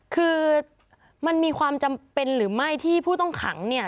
คือมันมีความจำเป็นหรือไม่ที่ผู้ต้องขังเนี่ย